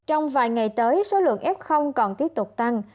trong vài ngày tới số lượng f còn tiếp tục tăng